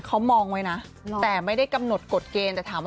เขาบอกว่าจริงจ้าง